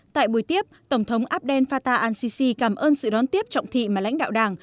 tại buổi tiếp tổng thống abdel fattah al sisi cảm ơn sự đón tiếp trọng thị mà lãnh đạo đảng